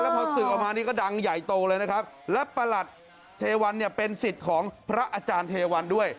พอสื่อออกมานี่ก็ดังใหญ่โตเลยนะครับและประหลัดเทวันเนี่ยเป็นสิทธิ์ของพระอาจารย์เทวันด้วย